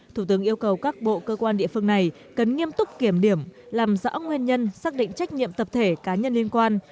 thủ tướng yêu cầu các bộ cơ quan địa phương này cần nghiêm túc kiểm điểm làm rõ nguyên nhân xác định trách nhiệm tập thể cá nhân liên quan